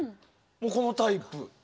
もうこのタイプ。